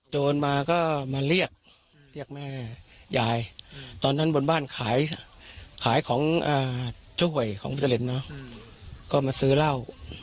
โจรมาก็มาเรียกเรียกแม่ยายตอนนั้นบนบ้านขายของช่วยของพี่จริตเนอะก็มาซื้อเหล้า